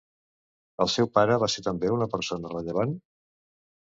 El seu pare va ser també una persona rellevant?